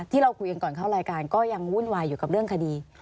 ที่เราคุยกันก่อนเข้ารายการก็ยังวุ่นวายอยู่กับเรื่องคดี